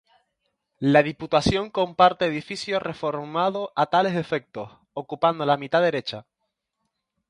La Diputación comparte edificio reformado a tales efectos, ocupando la mitad derecha.